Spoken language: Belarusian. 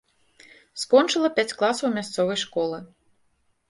Скончыла пяць класаў мясцовай школы.